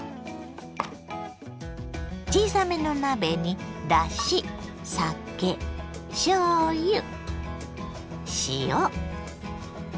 小さめの鍋にだし酒しょうゆ塩